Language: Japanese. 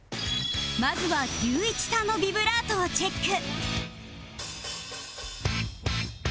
まずは ＲＹＵＩＣＨＩ さんのビブラートをチェック